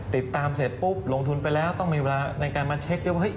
ติดตามเสร็จปุ๊บลงทุนไปแล้วต้องมีเวลาในการมาเช็คด้วยว่า